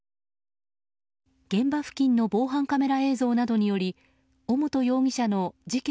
現場付近の防犯カメラ映像などにより尾本容疑者の事件